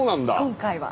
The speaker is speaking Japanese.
今回は。